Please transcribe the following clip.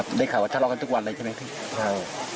หรือคุณห่วงอะไรเปล่ามีสาเหตุในอีกฝ่าย